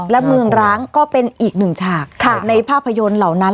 และเมืองร้างก็เป็นอีกหนึ่งฉากในภาพยนตร์เหล่านั้น